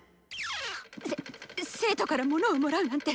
せっ生徒から物をもらうなんて。